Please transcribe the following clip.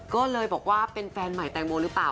ก็เลยบอกว่าเป็นแฟนใหม่แตงโมหรือเปล่า